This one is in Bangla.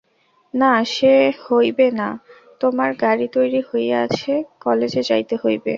না সে হইবে না–তোমার গাড়ি তৈরি হইয়া আছে–কালেজে যাইতে হইবে।